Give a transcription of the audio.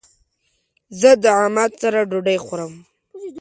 زه د عماد سره ډوډی خورم